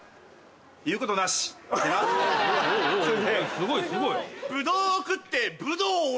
すごいすごい。